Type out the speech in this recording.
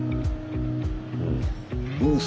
うん。